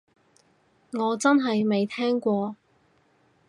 我真係未聽過